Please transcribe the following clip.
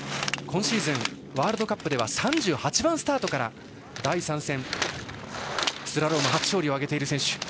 今シーズン、ワールドカップでは３８番スタートから第３戦、スラローム初勝利を挙げた選手。